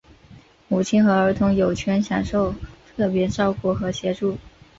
母亲和儿童有权享受特别照顾和协助。